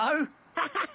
ハハハ！